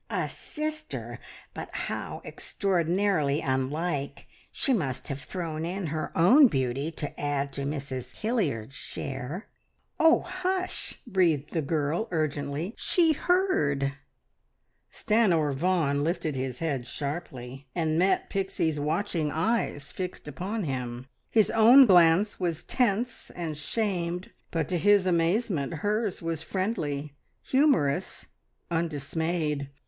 "A sister! But how extraordinarily unlike! She must have thrown in her own beauty to add to Mrs Hilliard's share!" "Oh, hush!" breathed the girl urgently. "She heard!" Stanor Vaughan lifted his head sharply and met Pixie's watching eyes fixed upon him. His own glance was tense and shamed, but to his amazement hers was friendly, humorous, undismayed.